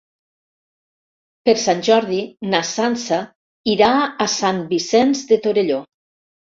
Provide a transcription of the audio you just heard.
Per Sant Jordi na Sança irà a Sant Vicenç de Torelló.